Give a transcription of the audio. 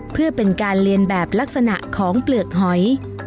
เพื่อเป็นการเรียนแบบลักษณะของเปลือกหอย